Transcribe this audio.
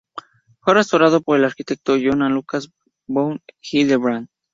Fue restaurado por el arquitecto Johann Lukas von Hildebrandt.